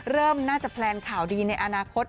เริ่มน่าจะแพลนข่าวดีในอนาคต